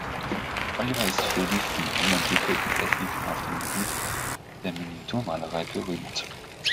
Oliver ist für die von ihm entwickelten Techniken auf dem Gebiet der Miniaturmalerei berühmt.